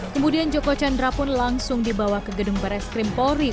kemudian joko chandra pun langsung dibawa ke gedung barat skrimpori